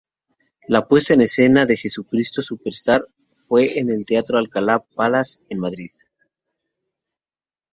La puesta en escena de "Jesucristo Superstar" fue en el Teatro Alcalá-Palace en Madrid.